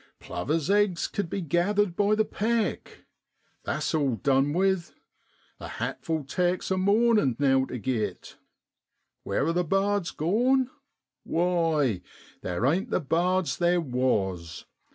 Plovers' eggs cud be gath ered by the peck ; that's all dun with. A hatful takes a mornin' now tu git. Where are the bards gone ? Why, theer ain't the bards there was.